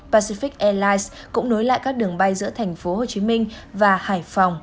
pacific airlines cũng nối lại các đường bay giữa tp hcm và hải phòng